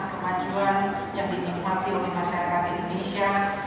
kemajuan yang dinikmati oleh masyarakat indonesia